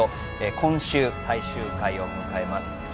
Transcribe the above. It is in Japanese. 今週最終回を迎えます